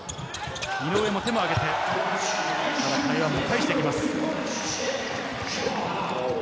井上も手を上げて、台湾も返してきます。